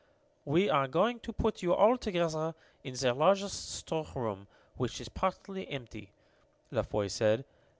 "We are going to put you all together in the largest storeroom, which is partly empty," La Foy said.